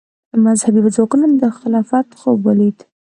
مذهبي ځواکونو د خلافت خوب ولید